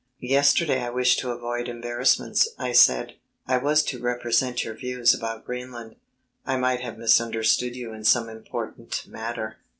"Yesterday I wished to avoid embarrassments," I said; "I was to represent your views about Greenland. I might have misunderstood you in some important matter."